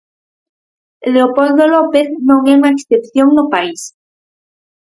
Leopoldo López non é unha excepción no país.